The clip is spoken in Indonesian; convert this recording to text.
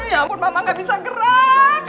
ya ampun mama gak bisa gerak